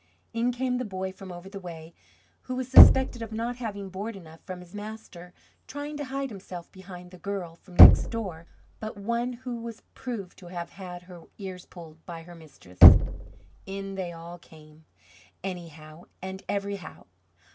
In came the boy from over the way, who was suspected of not having board enough from his master, trying to hide himself behind the girl from next door but one who was proved to have had her ears pulled by her mistress; in they all came, anyhow and everyhow.